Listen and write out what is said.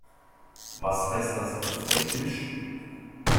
Was heißt das auf Fränkisch?